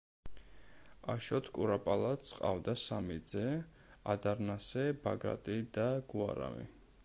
აშოტ კურაპალატს ჰყავდა სამი ძე ადარნასე, ბაგრატი და გუარამი.